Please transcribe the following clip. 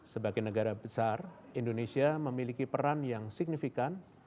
sebagai negara besar indonesia memiliki peran yang signifikan